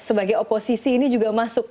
sebagai oposisi ini juga masuk